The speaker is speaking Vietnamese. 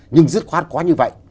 nhưng dứt khoát quá như vậy